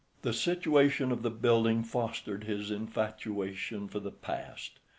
The situation of the building fostered his infatuation for the past.